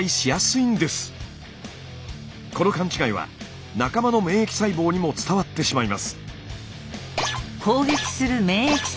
この勘違いは仲間の免疫細胞にも伝わってしまいます。